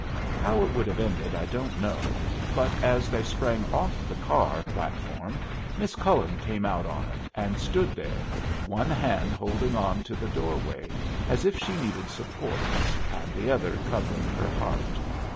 How it would have ended I don't know, but as they sprang off the car platform Miss Cullen came out on it, and stood there, one hand holding on to the door way, as if she needed support, and the other covering her heart.